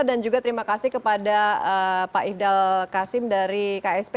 dan juga terima kasih kepada pak idhal qasim dari ksp